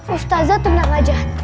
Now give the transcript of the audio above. ustazah ternyata ustazah